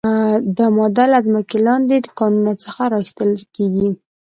دا ماده له ځمکې لاندې کانونو څخه را ایستل کیږي.